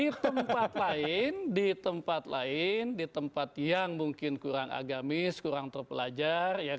di tempat lain di tempat lain di tempat yang mungkin kurang agamis kurang terpelajar